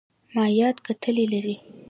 مایعات کتلې لري.